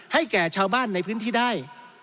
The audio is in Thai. แก่ชาวบ้านในพื้นที่ได้